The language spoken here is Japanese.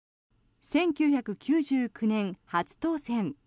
１９９９年、初当選。